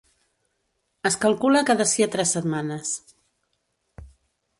Es calcula que d’ací a tres setmanes.